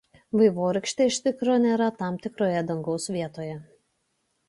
Vaivorykštė iš tikro nėra tam tikroje dangaus vietoje.